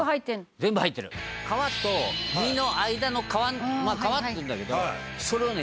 「全部入ってる」「皮と身の間の皮まあ皮っていうんだけどそれをね